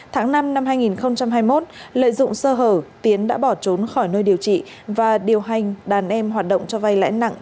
tháng năm năm hai nghìn hai mươi một lợi dụng sơ hở tiến đã bỏ trốn khỏi nơi điều trị và điều hành đàn em hoạt động cho vay lãi nặng